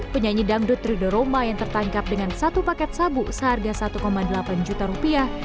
penyanyi dangdut rido roma yang tertangkap dengan satu paket sabu seharga satu delapan juta rupiah